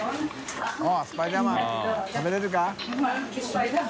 食べれるか？